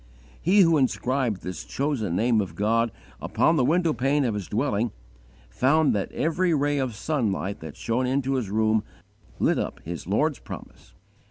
He who inscribed this chosen name of God upon the window pane of his dwelling, found that every ray of sunlight that shone into his room lit up his Lord's promise.